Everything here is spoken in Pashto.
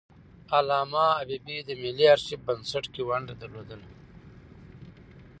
علامه حبيبي د ملي آرشیف بنسټ کې ونډه درلودله.